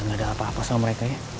gak ada apa apa sama mereka ya